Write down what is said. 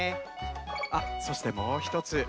あっそしてもうひとつ。